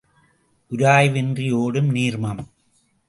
உராய்வின்றி ஒடும் நீர்மம்.